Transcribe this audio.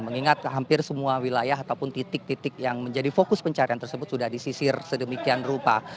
mengingat hampir semua wilayah ataupun titik titik yang menjadi fokus pencarian tersebut sudah disisir sedemikian rupa